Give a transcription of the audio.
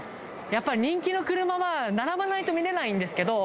やっぱり人気の車は並ばないと見れないんですけど